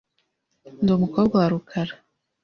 Ndi umukobwa wa rukara .